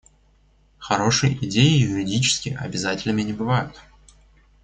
Хорошие идеи юридически обязательными не бывают.